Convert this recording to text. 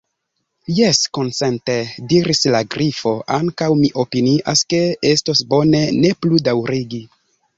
"Jes," konsente diris la Grifo, "ankaŭ mi opinias ke estos bone ne plu daŭrigi."